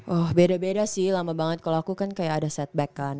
oh beda beda sih lama banget kalau aku kan kayak ada setback kan